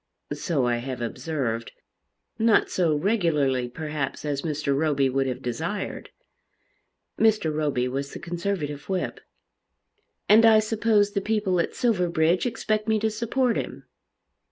"So I have observed, not so regularly perhaps as Mr. Roby would have desired." Mr. Roby was the Conservative whip. "And I suppose the people at Silverbridge expect me to support him."